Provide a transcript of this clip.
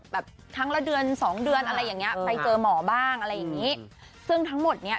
แบบครั้งละเดือนสองเดือนอะไรอย่างเงี้ไปเจอหมอบ้างอะไรอย่างงี้ซึ่งทั้งหมดเนี้ย